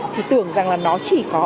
thì tưởng rằng là nó chỉ có